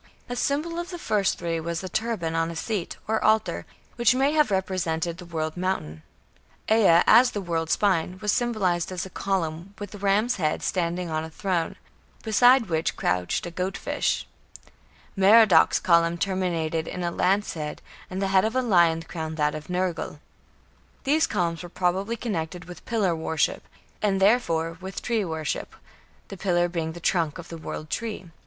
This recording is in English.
A symbol of the first three was a turban on a seat, or altar, which may have represented the "world mountain". Ea, as "the world spine", was symbolized as a column, with ram's head, standing on a throne, beside which crouched a "goat fish". Merodach's column terminated in a lance head, and the head of a lion crowned that of Nergal. These columns were probably connected with pillar worship, and therefore with tree worship, the pillar being the trunk of the "world tree".